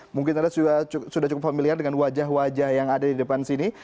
mungkin anda sudah cukup familiar dengan wajah wajah yang ada di depan sini